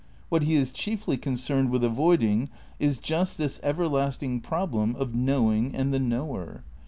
What he is chiefly concerned with avoiding is just this everlasting problem of knowing and the knower.